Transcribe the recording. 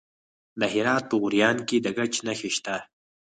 د هرات په غوریان کې د ګچ نښې شته.